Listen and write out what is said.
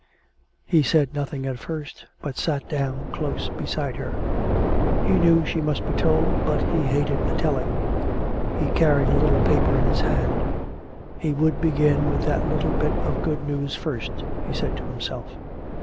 He said nothing at first, but sat down close beside her. He knew she must be told, but he hated the telling. He carried a little paper in his hand. He would begin with that little bit of good news first, he said to himself.